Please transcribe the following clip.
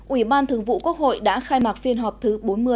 ủy ban thường vụ quốc hội đã khai mạc phiên họp thứ bốn mươi